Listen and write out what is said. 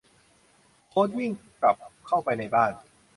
โค้ชวิ่งกลับเข้าไปในบ้าน